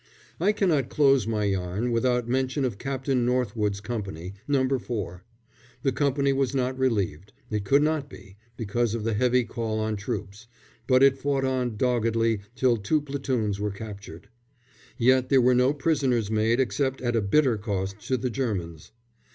I cannot close my yarn without mention of Captain Northwood's Company No. 4. The company was not relieved it could not be, because of the heavy call on troops but it fought on doggedly till two platoons were captured. Yet there were no prisoners made except at a bitter cost to the Germans.